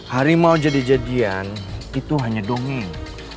harimau jadi jadian itu hanya dongeng